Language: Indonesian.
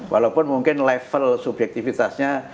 walaupun mungkin level subjektivitasnya